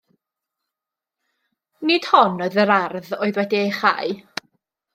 Nid hon oedd yr ardd oedd wedi'i chau.